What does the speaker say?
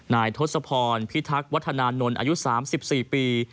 ทศพรพิทักษ์วัฒนานนท์อายุ๓๔ปี